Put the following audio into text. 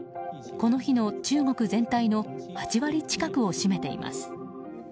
この日の中国全体の８割近くを占めています。